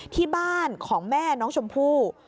ที่บ้านของแม่น้องชมพู่